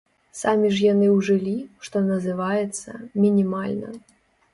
Самі ж яны ўжылі, што называецца, мінімальна.